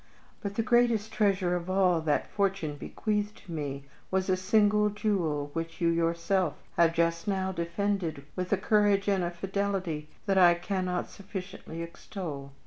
But the greatest treasure of all that fortune bequeathed to me was a single jewel which you yourself have just now defended with a courage and a fidelity that I cannot sufficiently extol.